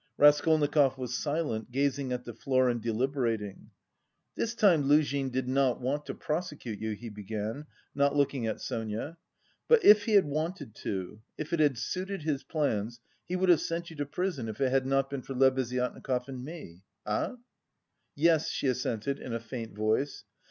Raskolnikov was silent, gazing at the floor and deliberating. "This time Luzhin did not want to prosecute you," he began, not looking at Sonia, "but if he had wanted to, if it had suited his plans, he would have sent you to prison if it had not been for Lebeziatnikov and me. Ah?" "Yes," she assented in a faint voice.